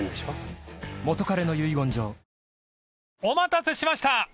［お待たせしました。